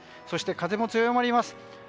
そして風も強まります。